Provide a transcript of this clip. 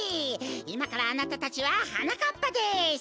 いまからあなたたちははなかっぱです！